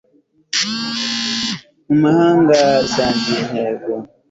mu mahanga bisangiye intego